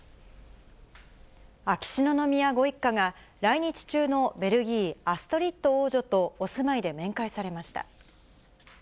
秋篠宮ご一家が、来日中のベルギー、アストリッド王女と、お住まいで面会されました。